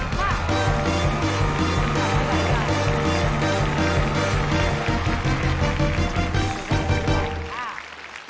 ขอบคุณค่ะ